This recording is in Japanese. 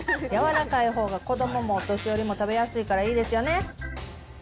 柔かいほうが子どももお年寄りも食べやすいからいいですよね。